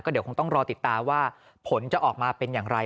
เดี๋ยวคงต้องรอติดตามว่าผลจะออกมาเป็นอย่างไร